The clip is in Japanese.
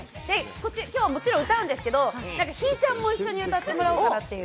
今日はもちろん歌うんですけど、ひぃちゃんも一緒に歌ってもらおうかなと。